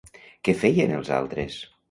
Què feien els altres?